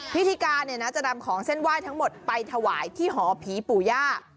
พิธีการเนี่ยนะจะนำของเส้นไหว้ทั้งหมดไปถวายที่หอผีปู่ย่า